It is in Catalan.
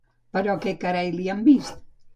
Però què carai li han vist?